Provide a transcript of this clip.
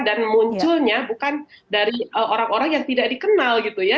dan munculnya bukan dari orang orang yang tidak dikenal gitu ya